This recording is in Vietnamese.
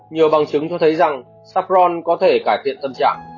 nhiều bằng chứng cho thấy rằng saflon có thể cải thiện tâm trạng